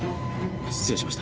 失礼しました。